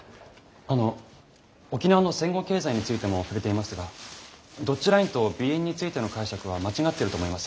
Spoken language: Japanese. あの沖縄の戦後経済についても触れていましたがドッジラインとＢ円についての解釈は間違ってると思います。